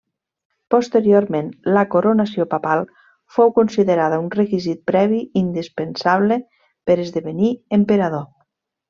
Posteriorment, la coronació papal fou considerada un requisit previ indispensable per esdevenir emperador.